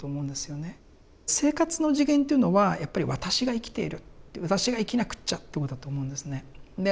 生活の次元というのはやっぱり私が生きているって私が生きなくっちゃということだと思うんですね。